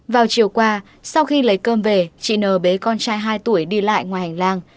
vào chiều qua sau khi lấy cơm về chị n bế con trai hai tuổi đi lại ngoài hành lang